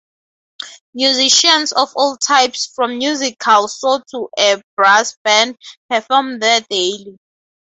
Musicians of all types, from musical saw to a brass band, perform there daily.